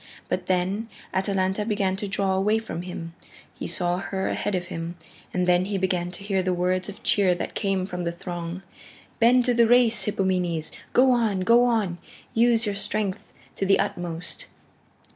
But then Atalanta began to draw away from him. He saw her ahead of him, and then he began to hear the words of cheer that came from the throng "Bend to the race, Hippomenes! Go on, go on! Use your strength to the utmost."